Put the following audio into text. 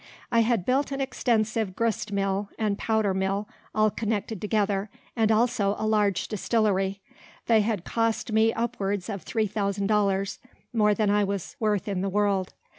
I had built an extensive grist mill, and powder mill, all connected together, and also a large distillery. They had cost me upwards of three thousand dollars, more than I was worth in the world.